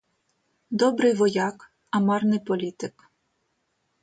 Добрий вояк, а марний політик.